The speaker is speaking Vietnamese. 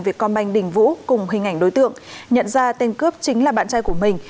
việt còn banh đình vũ cùng hình ảnh đối tượng nhận ra tên cướp chính là bạn trai của mình